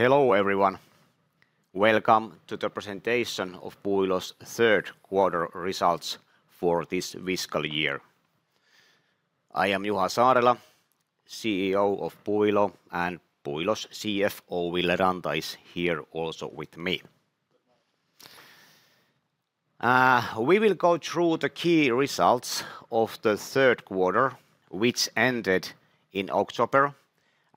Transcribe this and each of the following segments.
Hello everyone. Welcome to the presentation of Puuilo's Third Quarter Results for this fiscal year. I am Juha Saarela, CEO of Puuilo, and Puuilo's CFO, Ville Ranta, is here also with me. We will go through the key results of the third quarter, which ended in October,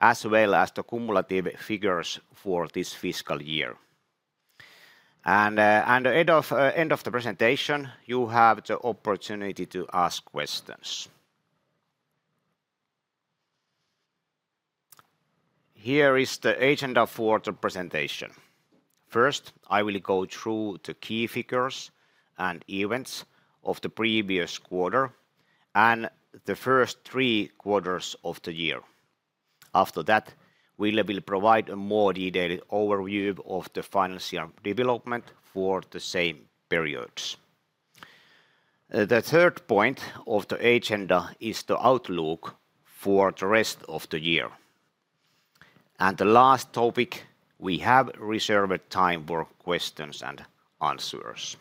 as well as the cumulative figures for this fiscal year, and at the end of the presentation, you have the opportunity to ask questions. Here is the agenda for the presentation. First, I will go through the key figures and events of the previous quarter and the first three quarters of the year. After that, Ville will provide a more detailed overview of the financial development for the same periods. The third point of the agenda is the outlook for the rest of the year, and the last topic, we have reserved time for questions and answers.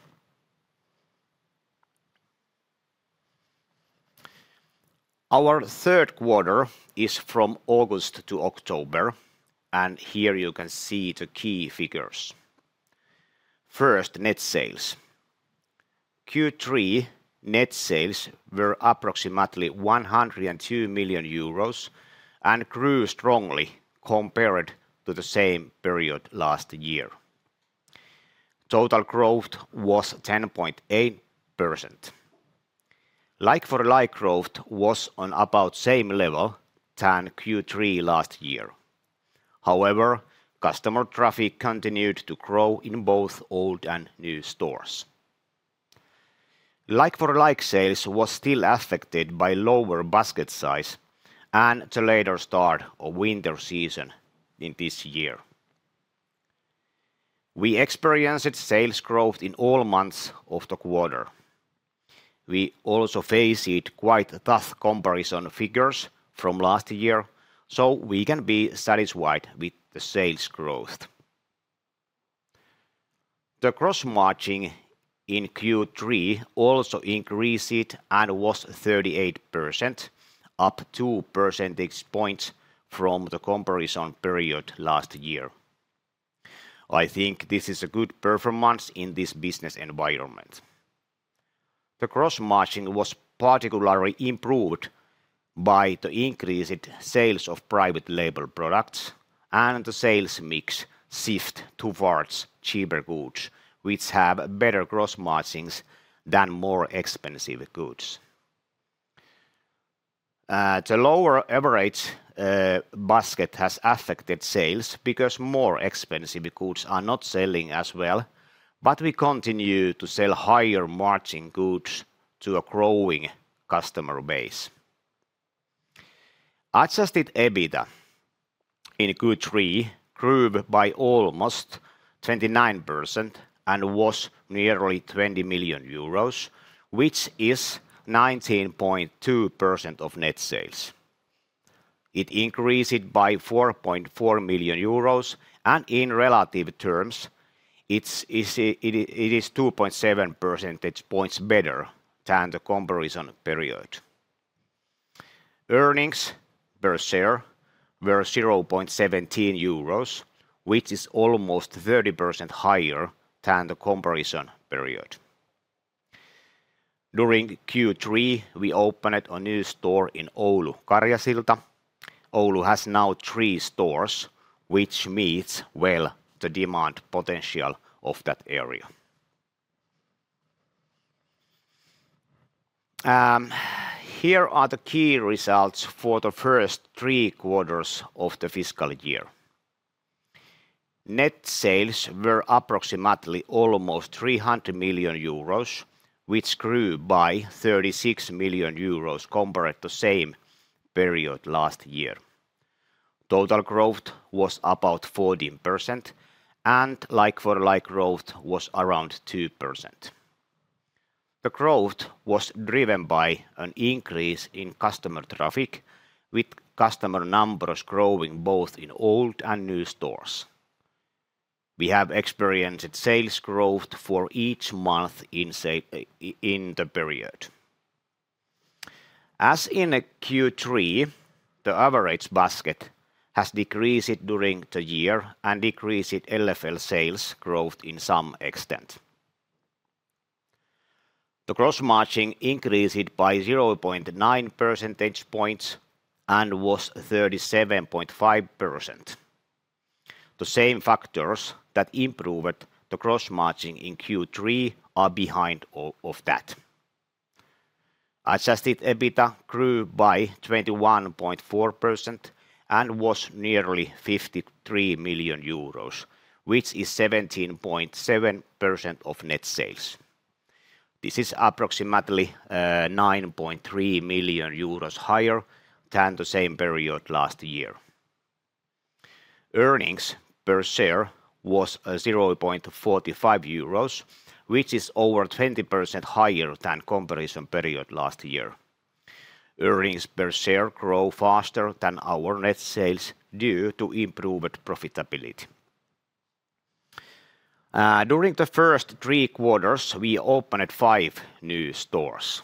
Our third quarter is from August to October, and here you can see the key figures. First, net sales. Q3 net sales were approximately 102 million euros and grew strongly compared to the same period last year. Total growth was 10.8%. Like-for-like growth was on about the same level than Q3 last year. However, customer traffic continued to grow in both old and new stores. Like-for-like sales was still affected by lower basket size and the later start of winter season in this year. We experienced sales growth in all months of the quarter. We also faced quite tough comparison figures from last year, so we can be satisfied with the sales growth. The gross margin in Q3 also increased and was 38%, up two percentage points from the comparison period last year. I think this is a good performance in this business environment. The gross margin was particularly improved by the increased sales of private label products and the sales mix shift towards cheaper goods, which have better gross margins than more expensive goods. The lower average basket has affected sales because more expensive goods are not selling as well, but we continue to sell higher-margin goods to a growing customer base. Adjusted EBITDA in Q3 grew by almost 29% and was nearly 20 million euros, which is 19.2% of net sales. It increased by 4.4 million euros, and in relative terms, it is 2.7 percentage points better than the comparison period. Earnings per share were 0.17 euros, which is almost 30% higher than the comparison period. During Q3, we opened a new store in Oulu Karjasilta. Oulu has now three stores, which meets well the demand potential of that area. Here are the key results for the first three quarters of the fiscal year. Net sales were approximately almost 300 million euros, which grew by 36 million euros compared to the same period last year. Total growth was about 14%, and like-for-like growth was around 2%. The growth was driven by an increase in customer traffic, with customer numbers growing both in old and new stores. We have experienced sales growth for each month in the period. As in Q3, the average basket has decreased during the year and decreased LFL sales growth to some extent. The gross margin increased by 0.9 percentage points and was 37.5%. The same factors that improved the gross margin in Q3 are behind that. Adjusted EBITDA grew by 21.4% and was nearly 53 million euros, which is 17.7% of net sales. This is approximately 9.3 million euros higher than the same period last year. Earnings per share was 0.45 euros, which is over 20% higher than the comparison period last year. Earnings per share grew faster than our net sales due to improved profitability. During the first three quarters, we opened five new stores.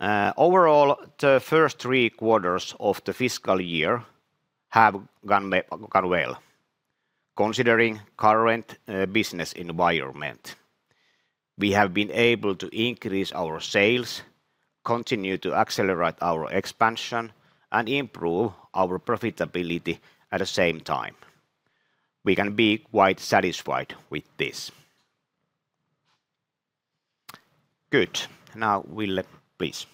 Overall, the first three quarters of the fiscal year have gone well, considering the current business environment. We have been able to increase our sales, continue to accelerate our expansion, and improve our profitability at the same time. We can be quite satisfied with this. Good. Now, Ville, please.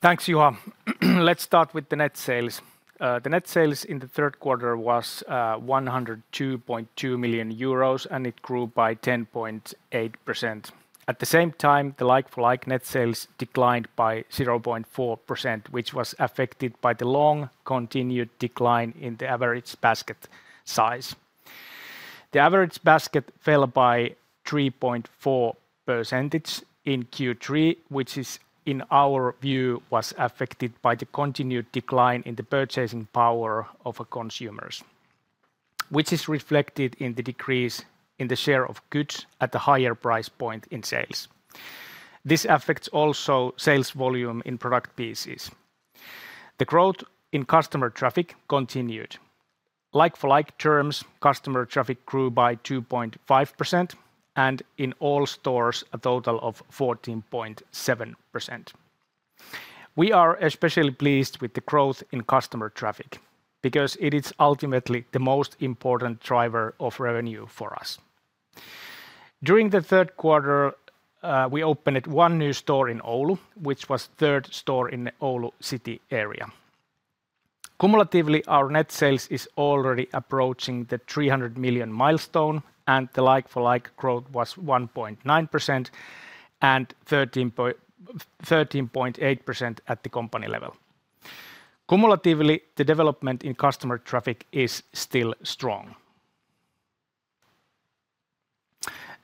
Thanks, Juha. Let's start with the net sales. The net sales in the third quarter was 102.2 million euros, and it grew by 10.8%. At the same time, the like-for-like net sales declined by 0.4%, which was affected by the long continued decline in the average basket size. The average basket fell by 3.4% in Q3, which is, in our view, affected by the continued decline in the purchasing power of consumers, which is reflected in the decrease in the share of goods at the higher price point in sales. This affects also sales volume in product pieces. The growth in customer traffic continued. Like-for-like terms, customer traffic grew by 2.5%, and in all stores, a total of 14.7%. We are especially pleased with the growth in customer traffic because it is ultimately the most important driver of revenue for us. During the third quarter, we opened one new store in Oulu, which was the third store in the Oulu city area. Cumulatively, our net sales is already approaching the 300 million milestone, and the like-for-like growth was 1.9% and 13.8% at the company level. Cumulatively, the development in customer traffic is still strong.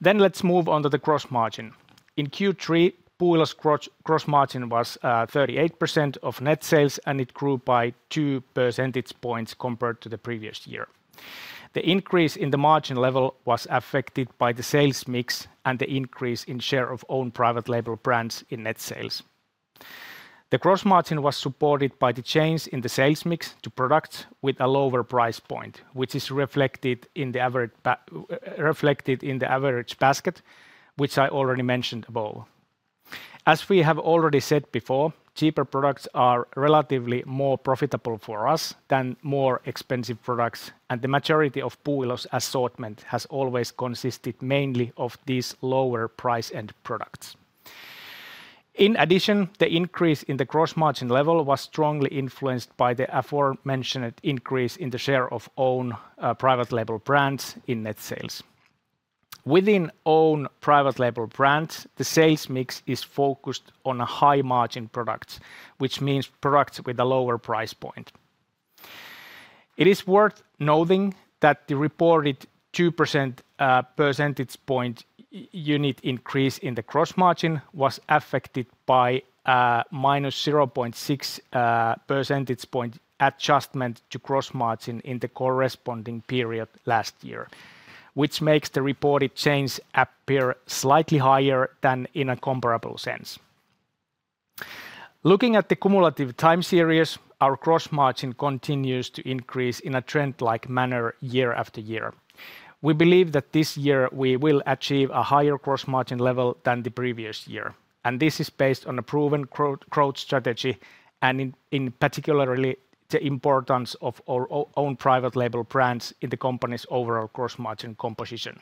Then let's move on to the gross margin. In Q3, Puuilo's gross margin was 38% of net sales, and it grew by 2 percentage points compared to the previous year. The increase in the margin level was affected by the sales mix and the increase in share of own private label brands in net sales. The gross margin was supported by the change in the sales mix to products with a lower price point, which is reflected in the average basket, which I already mentioned above. As we have already said before, cheaper products are relatively more profitable for us than more expensive products, and the majority of Puuilo's assortment has always consisted mainly of these lower price-end products. In addition, the increase in the gross margin level was strongly influenced by the aforementioned increase in the share of own private label brands in net sales. Within own private label brands, the sales mix is focused on high-margin products, which means products with a lower price point. It is worth noting that the reported 2 percentage point unit increase in the gross margin was affected by a minus 0.6 percentage point adjustment to gross margin in the corresponding period last year, which makes the reported change appear slightly higher than in a comparable sense. Looking at the cumulative time series, our gross margin continues to increase in a trend-like manner year after year. We believe that this year we will achieve a higher gross margin level than the previous year, and this is based on a proven growth strategy and in particular the importance of our own private label brands in the company's overall gross margin composition,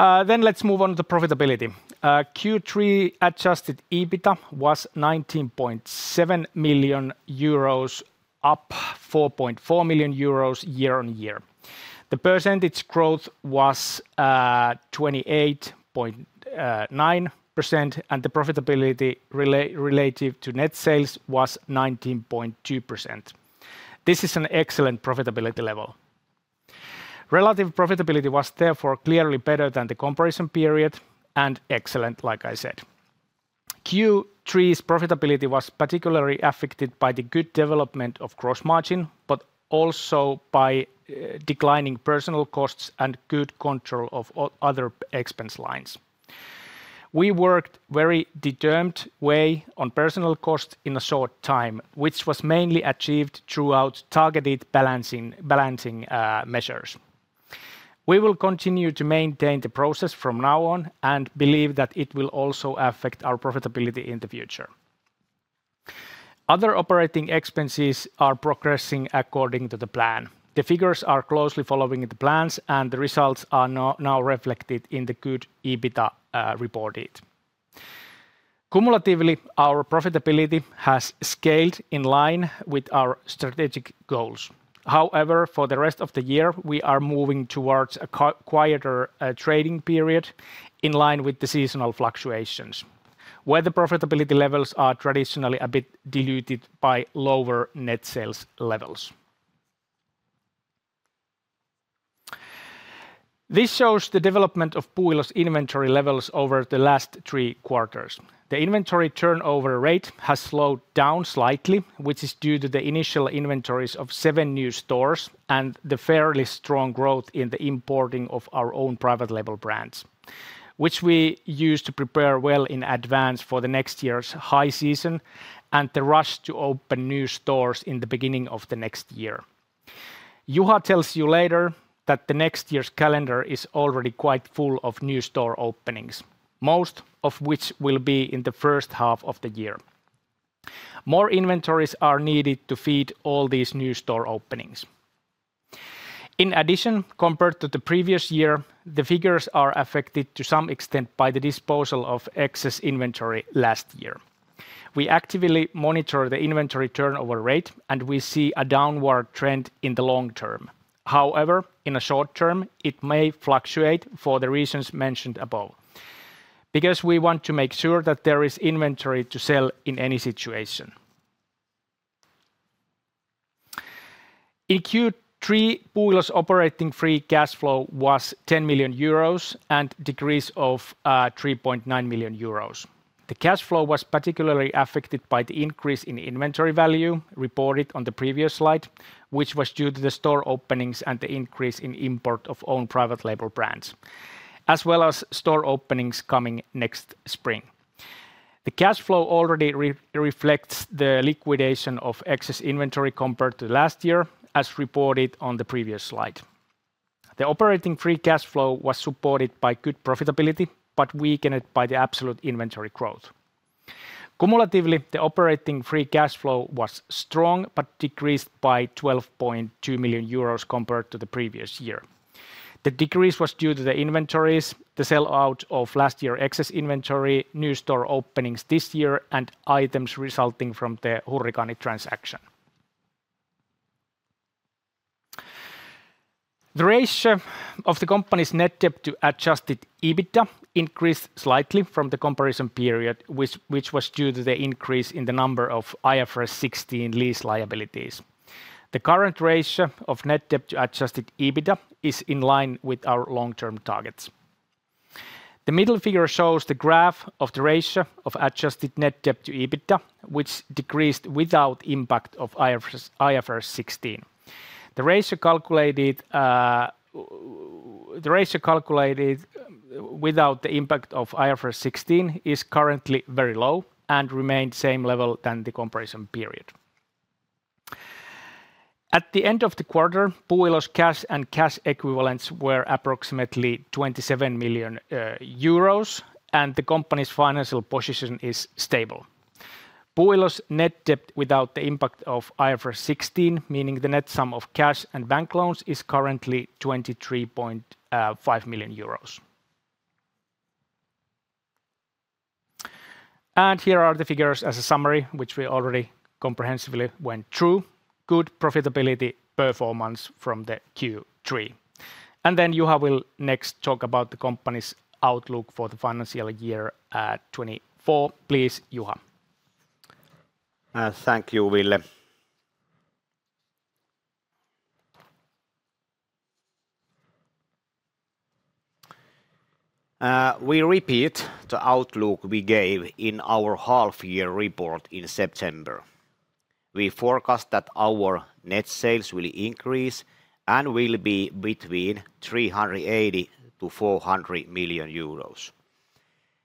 then let's move on to the profitability. Q3 Adjusted EBITDA was 19.7 million euros, up 4.4 million euros year on year. The percentage growth was 28.9%, and the profitability relative to net sales was 19.2%. This is an excellent profitability level. Relative profitability was therefore clearly better than the comparison period and excellent, like I said. Q3's profitability was particularly affected by the good development of gross margin, but also by declining personnel costs and good control of other expense lines. We worked in a very determined way on personnel costs in a short time, which was mainly achieved through targeted balancing measures. We will continue to maintain the process from now on and believe that it will also affect our profitability in the future. Other operating expenses are progressing according to the plan. The figures are closely following the plans, and the results are now reflected in the good EBITDA reported. Cumulatively, our profitability has scaled in line with our strategic goals. However, for the rest of the year, we are moving towards a quieter trading period in line with the seasonal fluctuations, where the profitability levels are traditionally a bit diluted by lower net sales levels. This shows the development of Puuilo's inventory levels over the last three quarters. The inventory turnover rate has slowed down slightly, which is due to the initial inventories of seven new stores and the fairly strong growth in the importing of our own private label brands, which we used to prepare well in advance for the next year's high season and the rush to open new stores in the beginning of the next year. Juha tells you later that the next year's calendar is already quite full of new store openings, most of which will be in the first half of the year. More inventories are needed to feed all these new store openings. In addition, compared to the previous year, the figures are affected to some extent by the disposal of excess inventory last year. We actively monitor the inventory turnover rate, and we see a downward trend in the long term. However, in the short term, it may fluctuate for the reasons mentioned above because we want to make sure that there is inventory to sell in any situation. In Q3, Puuilo's operating free cash flow was 10 million euros and a decrease of 3.9 million euros. The cash flow was particularly affected by the increase in inventory value reported on the previous slide, which was due to the store openings and the increase in import of own private label brands, as well as store openings coming next spring. The cash flow already reflects the liquidation of excess inventory compared to last year, as reported on the previous slide. The operating free cash flow was supported by good profitability but weakened by the absolute inventory growth. Cumulatively, the operating free cash flow was strong but decreased by 12.2 million euros compared to the previous year. The decrease was due to the inventories, the sellout of last year's excess inventory, new store openings this year, and items resulting from the Hurrikaani transaction. The ratio of the company's net debt to Adjusted EBITDA increased slightly from the comparison period, which was due to the increase in the number of IFRS 16 lease liabilities. The current ratio of net debt to Adjusted EBITDA is in line with our long-term targets. The middle figure shows the graph of the ratio of adjusted net debt-to-EBITDA, which decreased without the impact of IFRS 16. The ratio calculated without the impact of IFRS 16 is currently very low and remains at the same level than the comparison period. At the end of the quarter, Puuilo's cash and cash equivalents were approximately 27 million euros, and the company's financial position is stable. Puuilo's net debt without the impact of IFRS 16, meaning the net sum of cash and bank loans, is currently 23.5 million euros. Here are the figures as a summary, which we already comprehensively went through: good profitability performance from the Q3. Then Juha will next talk about the company's outlook for the financial year 2024. Please, Juha. Thank you, Ville. We repeat the outlook we gave in our half-year report in September. We forecast that our net sales will increase and will be between 380 million-400 million euros.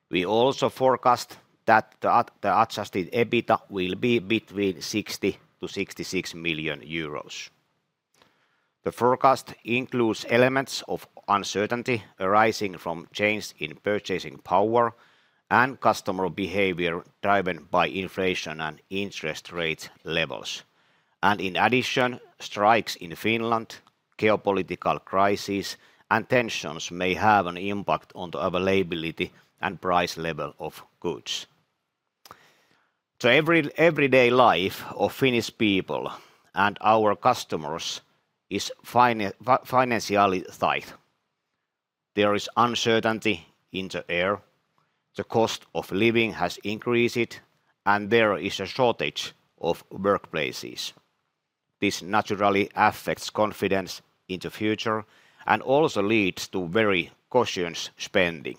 We also forecast that the Adjusted EBITDA will be between 60 million-66 million euros. The forecast includes elements of uncertainty arising from changes in purchasing power and customer behavior driven by inflation and interest rate levels, and in addition, strikes in Finland, geopolitical crises, and tensions may have an impact on the availability and price level of goods. The everyday life of Finnish people and our customers is financially tight. There is uncertainty in the air. The cost of living has increased, and there is a shortage of workplaces. This naturally affects confidence in the future and also leads to very cautious spending.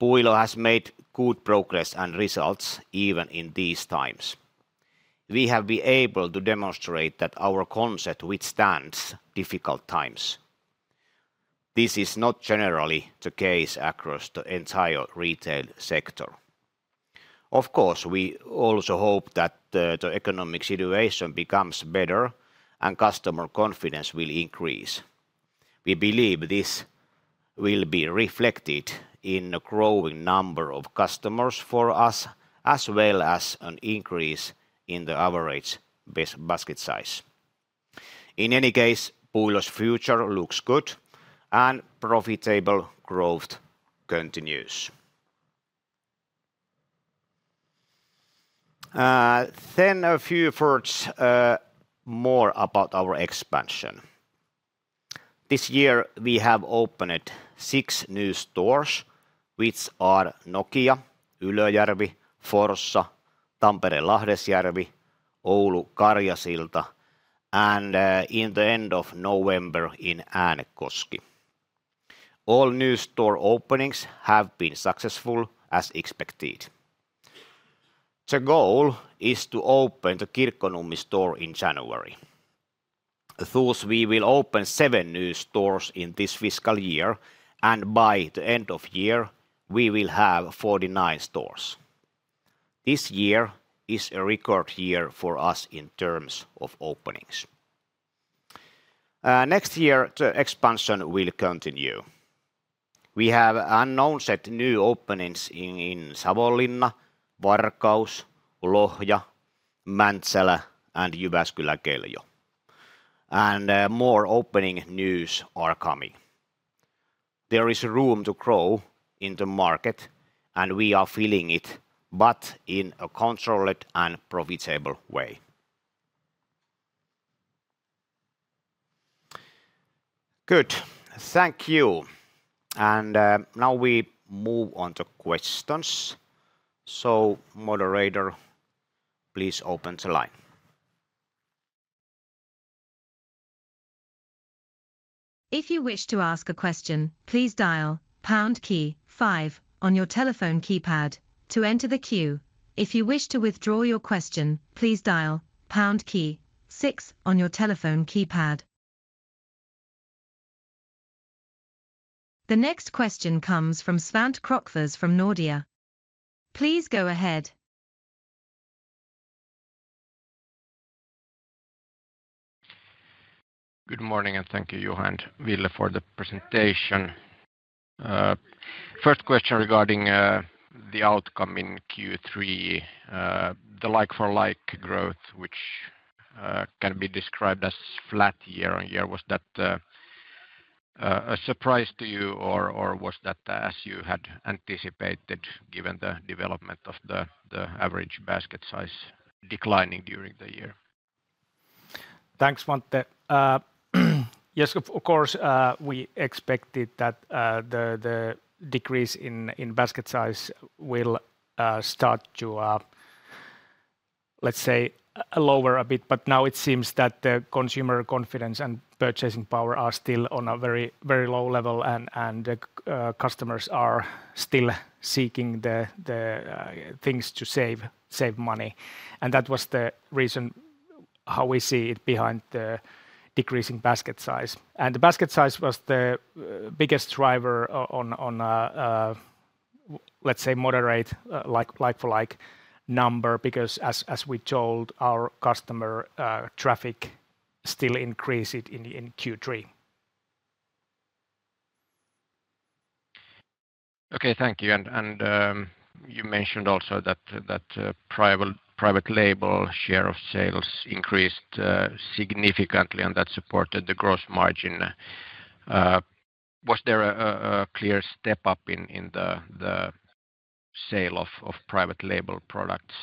Puuilo has made good progress and results even in these times. We have been able to demonstrate that our concept withstands difficult times. This is not generally the case across the entire retail sector. Of course, we also hope that the economic situation becomes better and customer confidence will increase. We believe this will be reflected in the growing number of customers for us, as well as an increase in the average basket size. In any case, Puuilo's future looks good, and profitable growth continues. Then a few words more about our expansion. This year, we have opened six new stores, which are Nokia, Ylöjärvi, Forssa, Tampere-Lahdesjärvi, Oulu Karjasilta, and in the end of November in Äänekoski. All new store openings have been successful, as expected. The goal is to open the Kirkkonummi store in January. Thus, we will open seven new stores in this fiscal year, and by the end of the year, we will have 49 stores. This year is a record year for us in terms of openings. Next year, the expansion will continue. We have announced new openings in Savonlinna, Varkaus, Lohja, Mäntsälä, and Jyväskylä-Keljo, and more opening news is coming. There is room to grow in the market, and we are filling it, but in a controlled and profitable way. Good. Thank you, and now we move on to questions, so moderator, please open the line. If you wish to ask a question, please dial pound key five on your telephone keypad to enter the queue. If you wish to withdraw your question, please dial pound key six on your telephone keypad. The next question comes from Svante Krokfors from Nordea. Please go ahead. Good morning, and thank you, Juha and Ville, for the presentation. First question regarding the outcome in Q3, the like-for-like growth, which can be described as flat year on year. Was that a surprise to you, or was that as you had anticipated, given the development of the average basket size declining during the year? Thanks, Svante. Yes, of course, we expected that the decrease in basket size will start to, let's say, lower a bit, but now it seems that the consumer confidence and purchasing power are still on a very low level, and customers are still seeking the things to save money. And that was the reason how we see it behind the decreasing basket size. And the basket size was the biggest driver on, let's say, moderate like-for-like number because, as we told our customer, traffic still increased in Q3. Okay, thank you. And you mentioned also that the private label share of sales increased significantly, and that supported the gross margin. Was there a clear step up in the sale of private label products?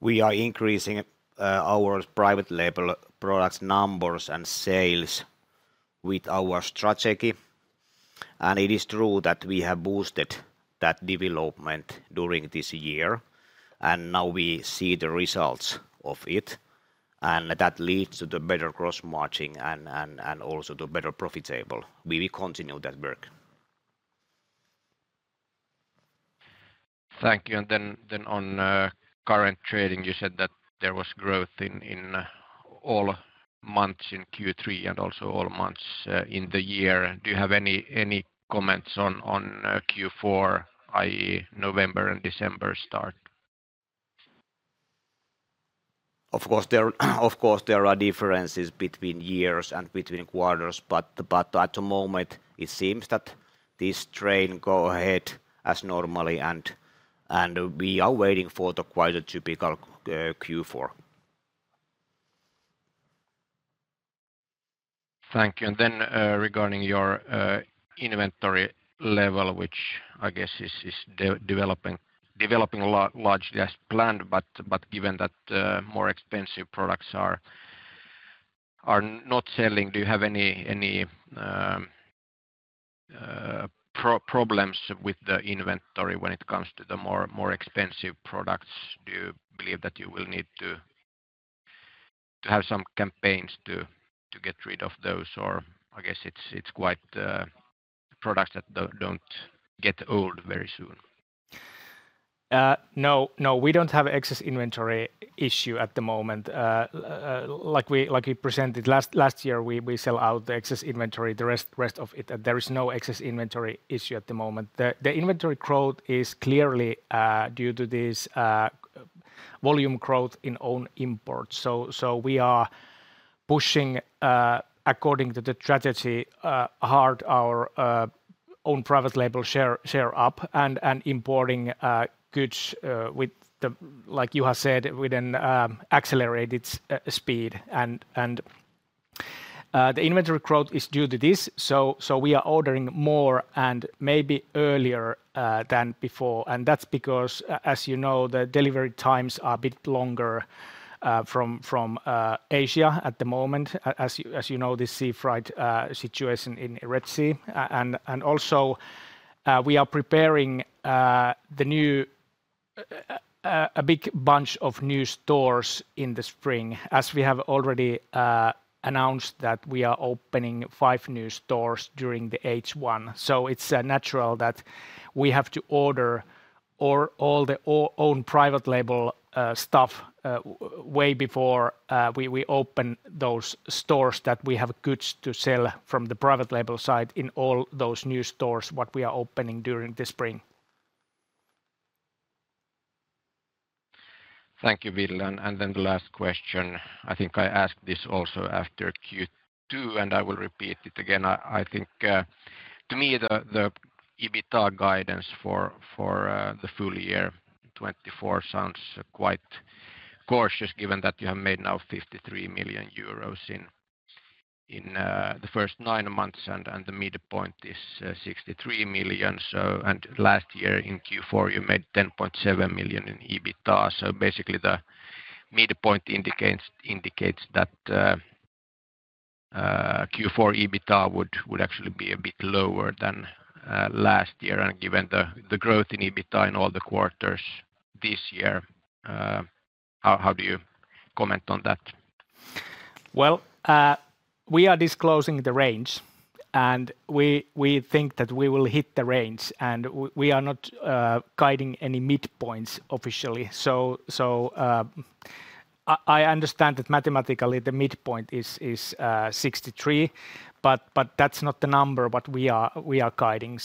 We are increasing our private label product numbers and sales with our strategy. It is true that we have boosted that development during this year, and now we see the results of it. That leads to the better gross margin and also to better profitable. We will continue that work. Thank you. And then on current trading, you said that there was growth in all months in Q3 and also all months in the year. Do you have any comments on Q4, i.e., November and December start? Of course, there are differences between years and between quarters, but at the moment, it seems that this trend goes ahead as normally, and we are waiting for the quite typical Q4. Thank you, and then regarding your inventory level, which I guess is developing largely as planned, but given that more expensive products are not selling, do you have any problems with the inventory when it comes to the more expensive products? Do you believe that you will need to have some campaigns to get rid of those, or I guess it's quite products that don't get old very soon? No, we don't have excess inventory issue at the moment. Like we presented last year, we sell out the excess inventory, the rest of it, and there is no excess inventory issue at the moment. The inventory growth is clearly due to this volume growth in own imports, so we are pushing, according to the strategy, hard our own private label share up and importing goods with, like Juha said, with an accelerated speed. And the inventory growth is due to this, so we are ordering more and maybe earlier than before. And that's because, as you know, the delivery times are a bit longer from Asia at the moment, as you know the sea freight situation in the Red Sea, and also, we are preparing a big bunch of new stores in the spring, as we have already announced that we are opening five new stores during the H1. It's natural that we have to order all the own private label stuff way before we open those stores that we have goods to sell from the private label side in all those new stores what we are opening during the spring. Thank you, Ville, and then the last question. I think I asked this also after Q2, and I will repeat it again. I think, to me, the EBITDA guidance for the full year 2024 sounds quite cautious given that you have made now 53 million euros in the first nine months, and the midpoint is 63 million, and last year in Q4, you made 10.7 million in EBITDA. So basically, the midpoint indicates that Q4 EBITDA would actually be a bit lower than last year, and given the growth in EBITDA in all the quarters this year, how do you comment on that? We are disclosing the range, and we think that we will hit the range. We are not guiding any midpoints officially. I understand that mathematically the midpoint is 63, but that's not the number what we are guiding.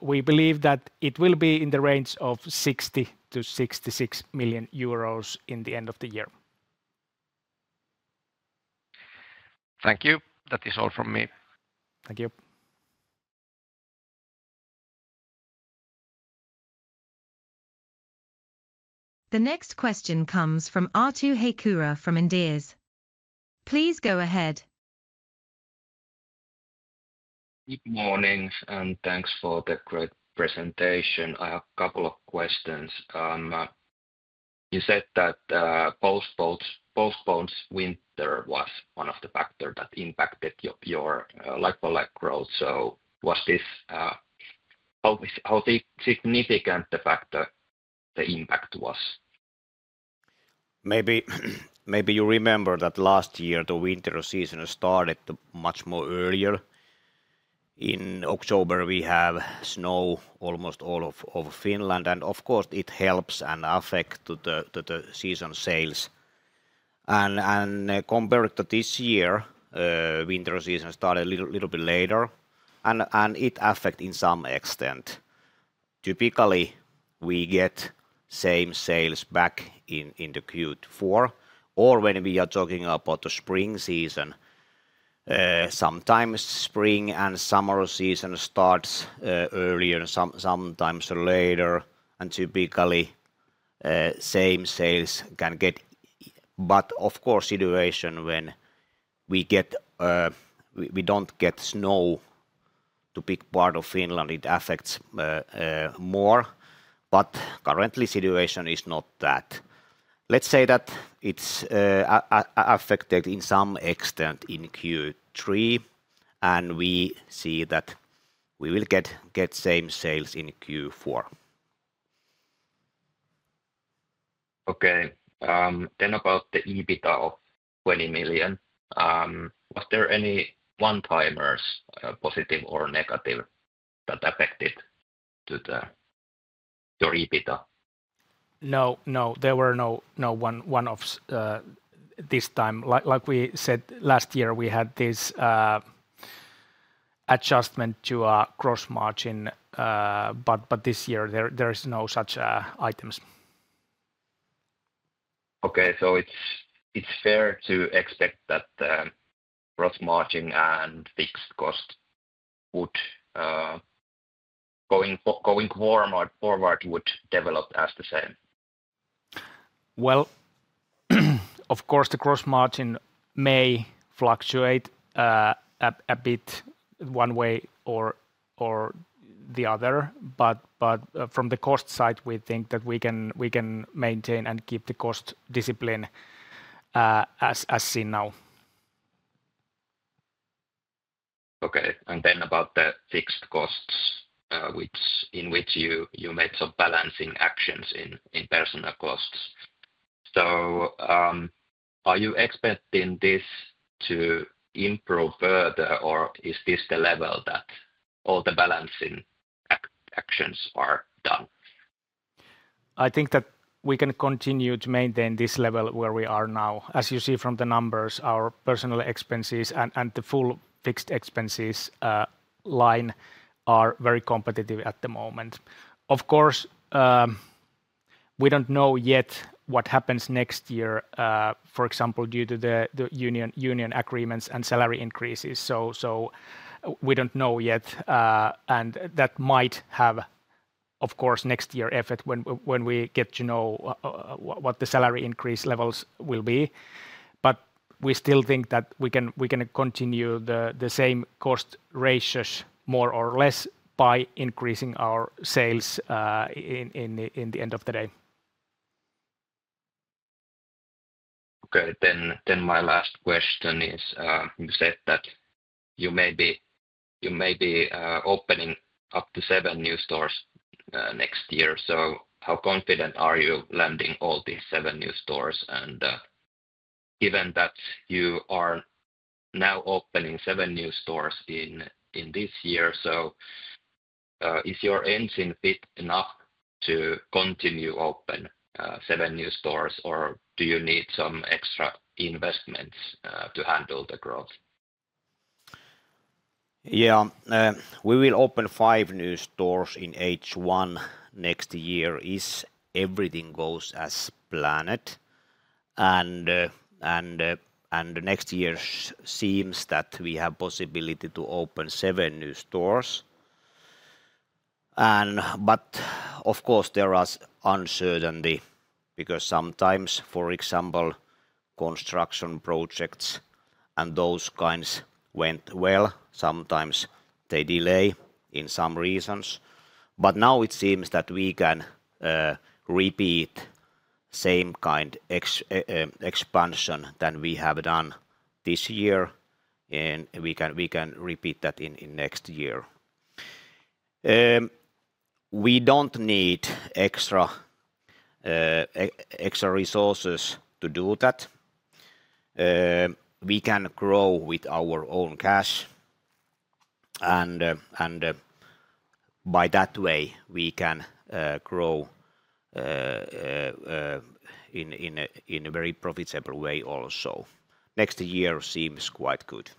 We believe that it will be in the range of 60 million-66 million euros in the end of the year. Thank you. That is all from me. Thank you. The next question comes from Arttu Heikura from Inderes. Please go ahead. Good morning, and thanks for the great presentation. I have a couple of questions. You said that postponed winter was one of the factors that impacted your like-for-like growth. So how significant the factor, the impact was? Maybe you remember that last year the winter season started much more earlier. In October, we have snow almost all of Finland, and of course, it helps and affects the seasonal sales. And compared to this year, winter season started a little bit later, and it affected in some extent. Typically, we get same sales back in the Q4, or when we are talking about the spring season, sometimes spring and summer season starts earlier, sometimes later, and typically same sales can get. But of course, situation when we don't get snow to a big part of Finland, it affects more. But currently, situation is not that. Let's say that it's affected in some extent in Q3, and we see that we will get same sales in Q4. Okay. Then about the EBITDA of 20 million, was there any one-timers, positive or negative, that affected your EBITDA? No, no, there were no one-offs this time. Like we said, last year we had this adjustment to a gross margin, but this year there is no such items. Okay, so it's fair to expect that gross margin and fixed cost would going forward develop as the same. Well, of course, the gross margin may fluctuate a bit one way or the other, but from the cost side, we think that we can maintain and keep the cost discipline as seen now. Okay. And then about the fixed costs, in which you made some balancing actions in personnel costs. So are you expecting this to improve further, or is this the level that all the balancing actions are done? I think that we can continue to maintain this level where we are now. As you see from the numbers, our personnel expenses and the full fixed expenses line are very competitive at the moment. Of course, we don't know yet what happens next year, for example, due to the union agreements and salary increases. So we don't know yet, and that might have, of course, next year effect when we get to know what the salary increase levels will be. But we still think that we can continue the same cost ratios more or less by increasing our sales in the end of the day. Okay, then my last question is, you said that you may be opening up to seven new stores next year. So how confident are you landing all these seven new stores? And given that you are now opening seven new stores in this year, so is your engine fit enough to continue open seven new stores, or do you need some extra investments to handle the growth? Yeah, we will open five new stores in H1 next year if everything goes as planned. And next year seems that we have possibility to open seven new stores. But of course, there are uncertainties because sometimes, for example, construction projects and those kinds went well. Sometimes they delay in some reasons. But now it seems that we can repeat the same kind of expansion that we have done this year, and we can repeat that in next year. We don't need extra resources to do that. We can grow with our own cash, and by that way, we can grow in a very profitable way also. Next year seems quite good.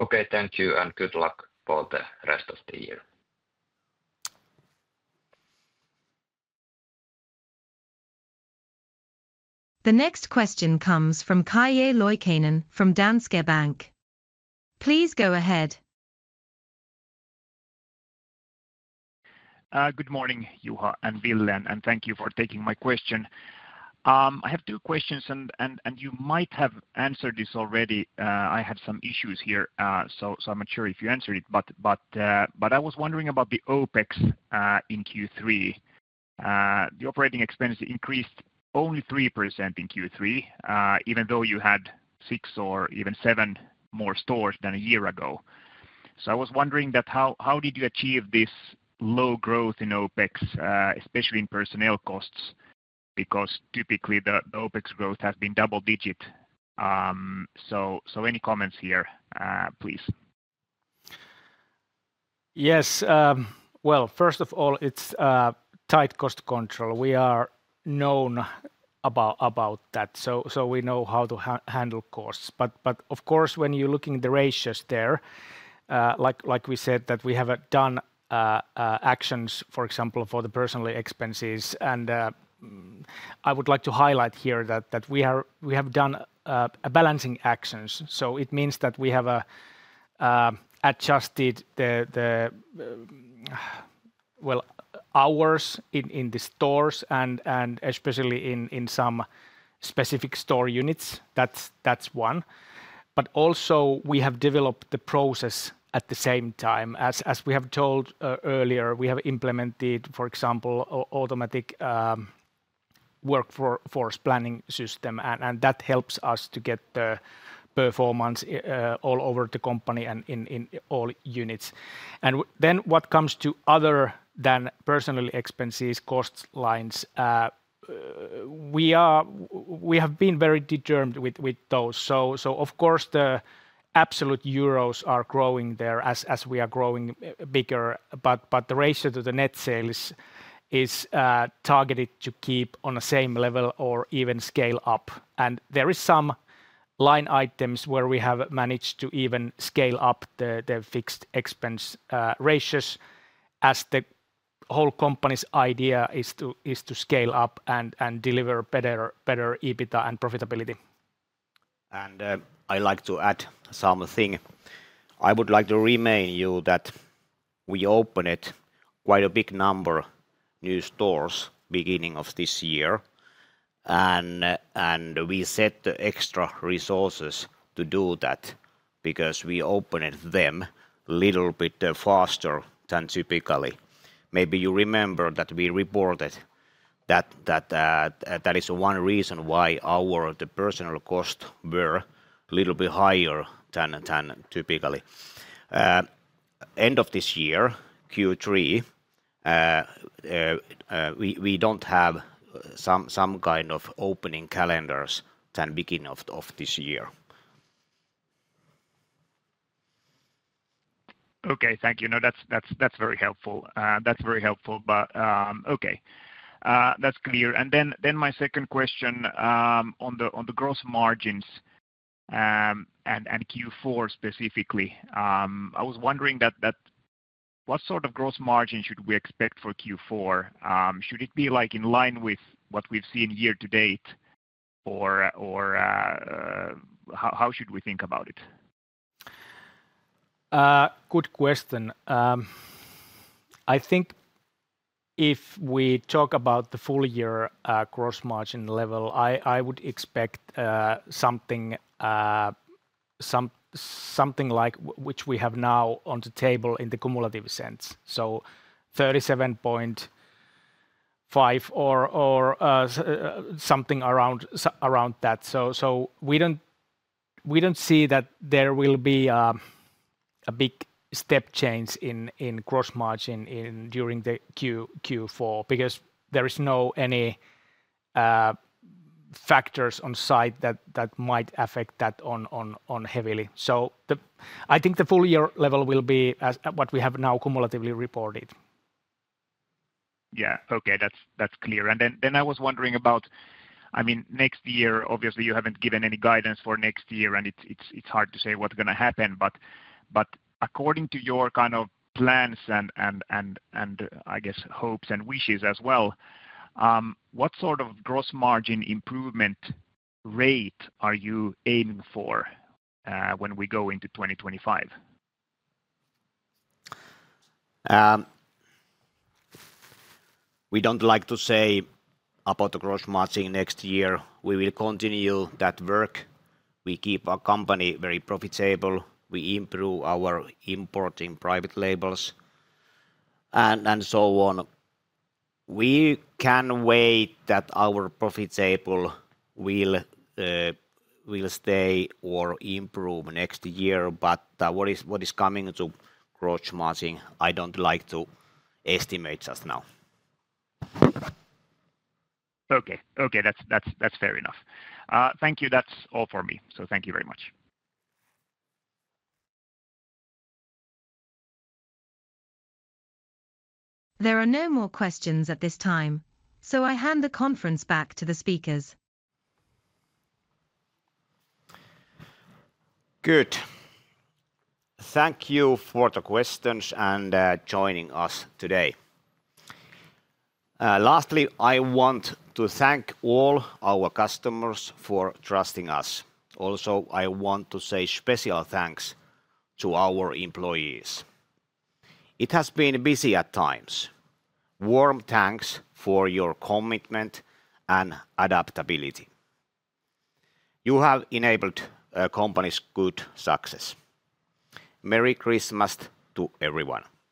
Okay, thank you, and good luck for the rest of the year. The next question comes from Calle Loikkanen from Danske Bank. Please go ahead. Good morning, Juha and Ville, and thank you for taking my question. I have two questions, and you might have answered this already. I had some issues here, so I'm not sure if you answered it, but I was wondering about the OpEx in Q3. The operating expenses increased only 3% in Q3, even though you had six or even seven more stores than a year ago. So I was wondering that how did you achieve this low growth in OpEx, especially in personnel costs, because typically the OpEx growth has been double-digit. So any comments here, please? Yes. Well, first of all, it's tight cost control. We are known for that, so we know how to handle costs. But of course, when you're looking at the ratios there, like we said that we have done actions, for example, for the personnel expenses, and I would like to highlight here that we have done balancing actions. So it means that we have adjusted the hours in the stores, and especially in some specific store units. That's one. But also, we have developed the process at the same time. As we have told earlier, we have implemented, for example, an automatic workforce planning system, and that helps us to get the performance all over the company and in all units. And then what comes to other than personnel expenses, cost lines, we have been very determined with those. So of course, the absolute euros are growing there as we are growing bigger, but the ratio to the net sales is targeted to keep on the same level or even scale up. And there are some line items where we have managed to even scale up the fixed expense ratios as the whole company's idea is to scale up and deliver better EBITDA and profitability. I'd like to add something. I would like to remind you that we opened quite a big number of new stores at the beginning of this year, and we set extra resources to do that because we opened them a little bit faster than typically. Maybe you remember that we reported that that is one reason why our personnel costs were a little bit higher than typically. End of this year, Q3, we don't have some kind of opening calendars at the beginning of this year. Okay, thank you. No, that's very helpful. That's very helpful, but okay, that's clear. And then my second question on the gross margins and Q4 specifically, I was wondering that what sort of gross margin should we expect for Q4? Should it be in line with what we've seen year to date, or how should we think about it? Good question. I think if we talk about the full year gross margin level, I would expect something like what we have now on the table in the cumulative sense. So 37.5% or something around that. So we don't see that there will be a big step change in gross margin during Q4 because there are no factors on site that might affect that heavily. So I think the full year level will be what we have now cumulatively reported. Yeah, okay, that's clear. And then I was wondering about, I mean, next year, obviously you haven't given any guidance for next year, and it's hard to say what's going to happen. But according to your kind of plans and I guess hopes and wishes as well, what sort of gross margin improvement rate are you aiming for when we go into 2025? We don't like to say about the gross margin next year. We will continue that work. We keep our company very profitable. We improve our importing private labels and so on. We can wait that our profit table will stay or improve next year, but what is coming to gross margin, I don't like to estimate just now. Okay, okay, that's fair enough. Thank you. That's all for me. So thank you very much. There are no more questions at this time, so I hand the conference back to the speakers. Good. Thank you for the questions and joining us today. Lastly, I want to thank all our customers for trusting us. Also, I want to say special thanks to our employees. It has been busy at times. Warm thanks for your commitment and adaptability. You have enabled the company's good success. Merry Christmas to everyone.